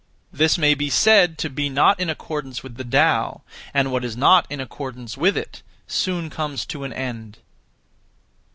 This may be said to be not in accordance with the Tao: and what is not in accordance with it soon comes to an end.